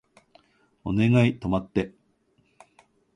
お願い止まって